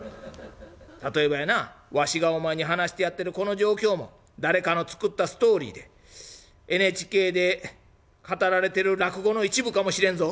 「例えばやなわしがお前に話してやってるこの状況も誰かの作ったストーリーでＮＨＫで語られてる落語の一部かもしれんぞ」。